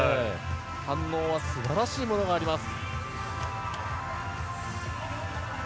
反応は素晴らしいものがあります。